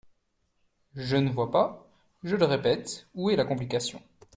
Je ne vois pas, je le répète, où est la complication.